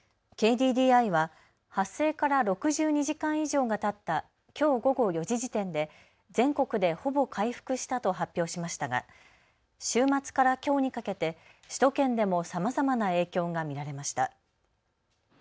ＫＤＤＩは発生から６２時間以上がたったきょう午後４時時点で全国でほぼ回復したと発表しましたが週末からきょうにかけて首都圏でもさまざまな影響が見られました。